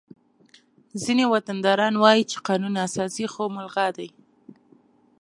ځینې وطنداران وایي چې قانون اساسي خو ملغا دی